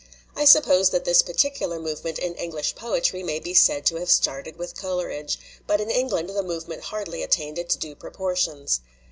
I suppose that this particular movement in English poetry may be said to have started with Coleridge, but in England the movement hardly attained its due proportions.